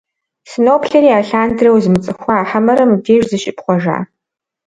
Сыноплъри, алъандэрэ узмыцӀыхуа, хьэмэрэ мыбдеж зыщыпхъуэжа?!